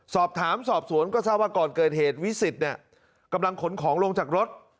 สอบถามสอบสวนก็เศร้าก่อนเกิดเหตุวิสิตกำลังขนของลงจากรถ